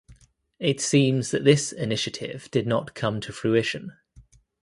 It seems that this initiative did not come to fruition.